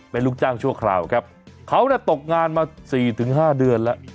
เป็นลูกจ้างชั่วคราวครับเขาเนี่ยตกงานมา๔๕เดือนแล้ว